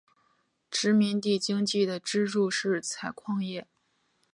殖民地经济的支柱是采矿业。